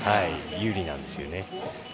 有利なんですよね。